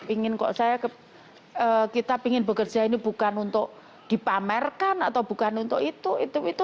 ingin kok saya kita ingin bekerja ini bukan untuk dipamerkan atau bukan untuk itu itu